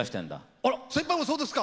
あら先輩もそうですか。